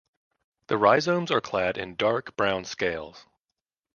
The rhizomes are clad in dark brown scales.